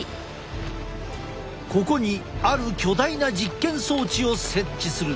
ここにある巨大な実験装置を設置する。